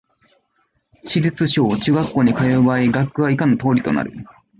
市立小・中学校に通う場合、学区は以下の通りとなる